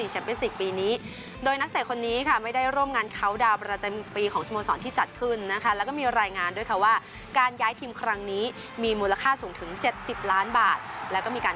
หลังจากมีกระแสข่าวลืดความว่าเดริเกอร์